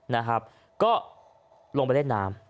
นะครับก็ลงไปเล่นน้ำ